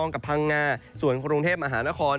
กับพังงาส่วนกรุงเทพมหานคร